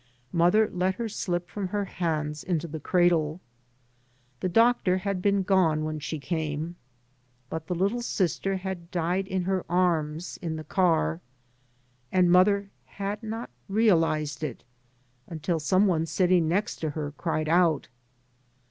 Mother let her slip from her hands into the cradle. The doctor had been gone when she came. But the little sister had died in her arms in the car, and mother had not realised it until some one sitting next to her cried out.